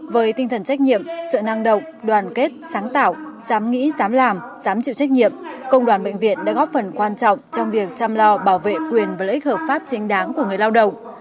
với tinh thần trách nhiệm sự năng động đoàn kết sáng tạo dám nghĩ dám làm dám chịu trách nhiệm công đoàn bệnh viện đã góp phần quan trọng trong việc chăm lo bảo vệ quyền và lợi ích hợp pháp chính đáng của người lao động